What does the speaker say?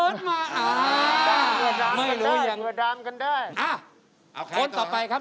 สวัสดีครับ